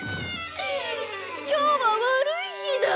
今日は悪い日だ！